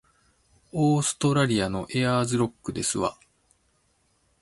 オーストラリアのエアーズロックですわ